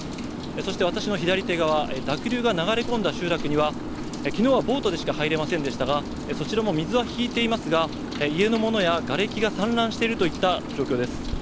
そして私の左手側、濁流が流れ込んだ集落には、昨日はボートでしか入れませんでしたが、そちらも水は引いていますが、家の物や、がれきが散乱しているといった状況です。